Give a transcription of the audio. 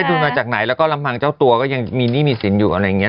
ดูมาจากไหนแล้วก็ลำพังเจ้าตัวก็ยังมีหนี้มีสินอยู่อะไรอย่างนี้